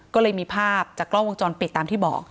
ก็เลยมีภาพจากกล้องวงจรปิดตามที่บอก